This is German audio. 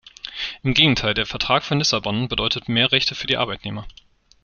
Im Gegenteil, der Vertrag von Lissabon bedeutet mehr Rechte für die Arbeitnehmer.